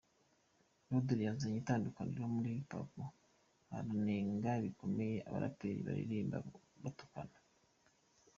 Landry uzanye itandukaniro muri Hip Hop aranenga bikomeye abaraperi baririmba batukana.